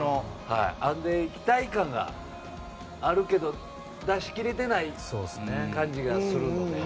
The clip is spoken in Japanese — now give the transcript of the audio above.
期待感があるけど出しきれてない感じがするので。